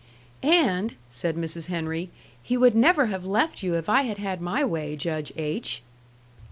"And," said Mrs. Henry, "he would never have left you if I had had my way, Judge H.!"